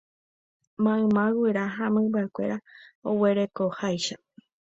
Mayma guyra ha mymbakuéra oguerekoháicha.